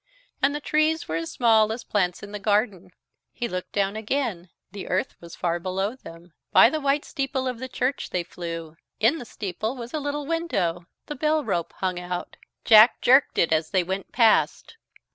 And the trees were as small as plants in the garden. He looked down again. The earth was far below them. By the white steeple of the church they flew. In the steeple was a little window. The bell rope hung out. Jack jerked it as they went past.